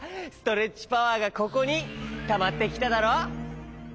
ストレッチパワーがここにたまってきただろ！